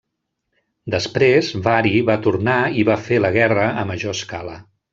Després, Vari va tornar i va fer la guerra a major escala.